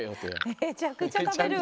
めちゃくちゃたべる。